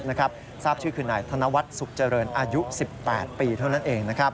ทราบชื่อคือนายธนวัฒน์สุขเจริญอายุ๑๘ปีเท่านั้นเอง